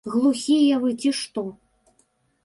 Глухія вы, ці што?